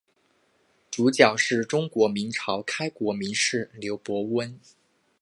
主角是中国明朝开国名士刘伯温。